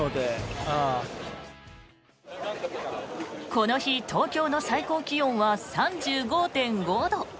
この日、東京の最高気温は３５．５度。